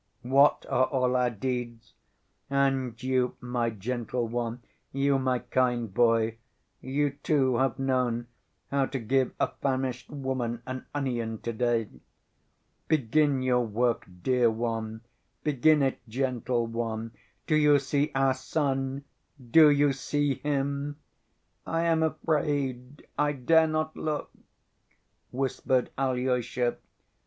What are all our deeds? And you, my gentle one, you, my kind boy, you too have known how to give a famished woman an onion to‐day. Begin your work, dear one, begin it, gentle one!... Do you see our Sun, do you see Him?" "I am afraid ... I dare not look," whispered Alyosha.